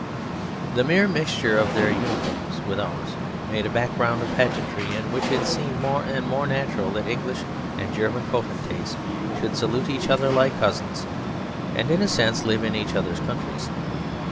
The mere mixture of their uniforms with ours made a background of pageantry in which it seemed more and more natural that English and German potentates should salute each other like cousins, and, in a sense, live in each other's countries.